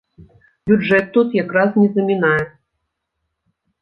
Бюджэт тут як раз не замінае.